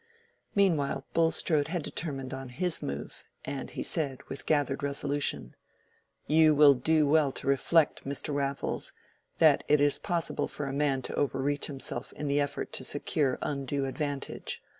Meanwhile Bulstrode had determined on his move, and he said, with gathered resolution— "You will do well to reflect, Mr. Raffles, that it is possible for a man to overreach himself in the effort to secure undue advantage.